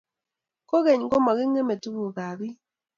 kogeny, komagingeme tugukab biik